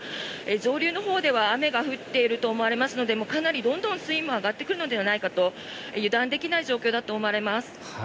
上流のほうでは雨が降っていると思われますのでかなりどんどん水位も上がってくるのではないかと油断できない状況だと思います。